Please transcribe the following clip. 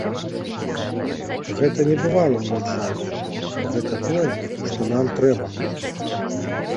Гэта небывалы ўраджай, гэта тое, што нам трэба.